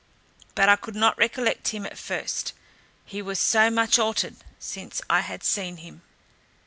But I could not recollect him at first, he was so much altered since I had seen him.